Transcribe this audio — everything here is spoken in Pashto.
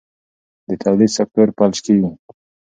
د تولید سکتور فلج کېږي.